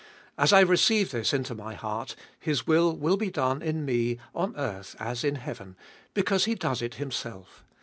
As I receive this into my heart, His will will be done in me, on earth as in heaven, because He does it Himself.